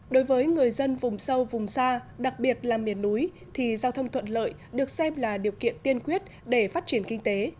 đối với người dân vùng sâu vùng xa đặc biệt là miền núi thì giao thông thuận lợi được xem là điều kiện tiên quyết để phát triển kinh tế